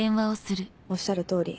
おっしゃる通り